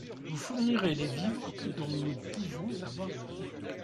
Vous fournirez les vivres dont nous pouvons avoir besoin.